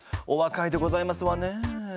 おわかいでございますわね。